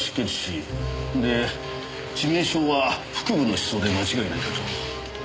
で致命傷は腹部の刺創で間違いないかと。